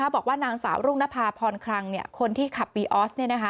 บอกว่านางสาวรุ่งนภาพรคลังคนที่ขับปีออส